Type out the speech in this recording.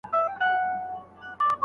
هيچا د دې نکاح اصلي هدف نه و روښانه کړی.